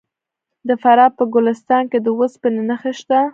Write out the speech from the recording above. د فراه په ګلستان کې د وسپنې نښې شته.